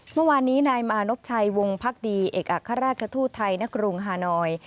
เมื่อวานนี้นายมานพชัยวงพักดีเอกอัครราชทูตไทยณกรุงฮานอย